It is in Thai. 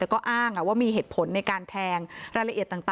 แต่ก็อ้างอ่ะว่ามีเหตุผลในการแทงรายละเอียดต่างต่าง